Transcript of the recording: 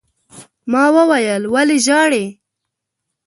ما وويل: ولې ژاړې؟